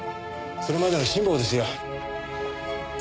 それまでの辛抱ですよ。